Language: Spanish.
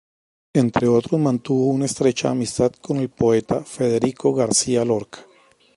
Entre otros, mantuvo una estrecha amistad con el poeta Federico García Lorca.